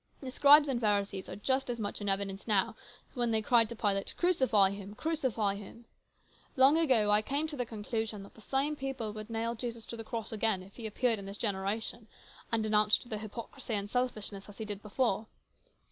The Scribes and Pharisees are just as much in evidence now as when they cried to Pilate, ' Crucify Him ! Crucify Him !' Long ago I came to the conclusion that the same people would nail Jesus to the cross again if He appeared in this generation and denounced their hypocrisy and selfishness as He did before.